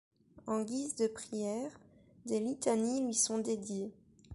En guise de prière, des litanies lui sont dédiées.